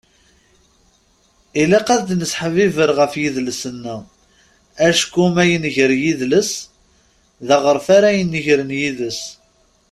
Ilaq ad nesseḥbiber ɣef yidles-nneɣ. Acku ma yenger yidles, d aɣref ara inegren yid-s.